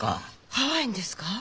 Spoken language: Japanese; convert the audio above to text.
ハワイにですか？